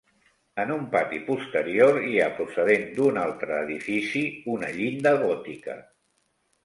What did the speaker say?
En un pati posterior hi ha, procedent d'un altre edifici, una llinda gòtica.